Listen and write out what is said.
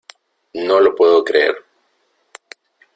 ¡No lo puedo creer!